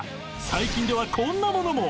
［最近ではこんなものも］